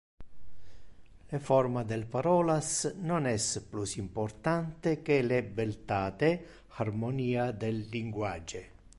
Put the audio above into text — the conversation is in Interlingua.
Le forma del parolas non es plus importante que le beltate, harmonia, del linguage.